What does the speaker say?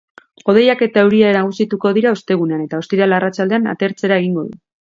Hodeiak eta euria nagusituko dira ostegunean, eta ostiral arratsaldean atertzera egingo du.